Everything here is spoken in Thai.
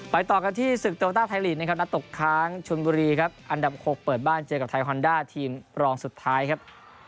ต่อกันที่ศึกโตต้าไทยลีกนะครับนัดตกค้างชนบุรีครับอันดับ๖เปิดบ้านเจอกับไทยฮอนด้าทีมรองสุดท้ายครับ